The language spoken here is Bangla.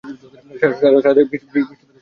সারা দেশে বৃষ্টিপাতের পরিমাণ সামান্যই।